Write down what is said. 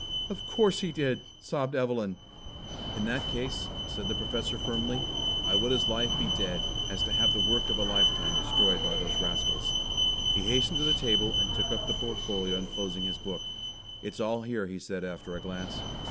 "Of course he did!" sobbed Evelyn. "In that ease," said the Professor firmly, "I would as lief be dead as to have the work of a lifetime destroyed by those rascals." He hastened to the table and took up the portfolio enclosing his book. "It's all here," he said after a glance.